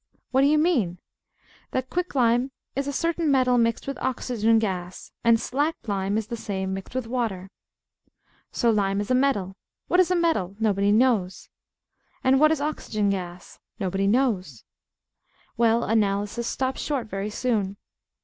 What do you mean? That quicklime is a certain metal mixed with oxygen gas; and slacked lime is the same, mixed with water. So lime is a metal. What is a metal? Nobody knows. And what is oxygen gas? Nobody knows. Well, Analysis, stops short very soon.